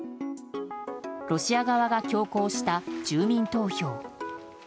ロシア側が強行した住民投票。